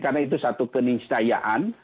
karena itu satu kenisayaan